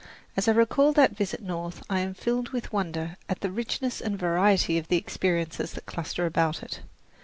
As I recall that visit North I am filled with wonder at the richness and variety of the experiences that cluster about it.